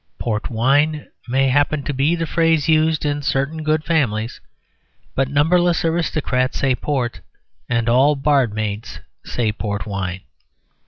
"Port wine" may happen to be the phrase used in certain good families; but numberless aristocrats say "port," and all barmaids say "port wine."